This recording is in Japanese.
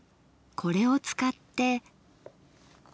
これを使って。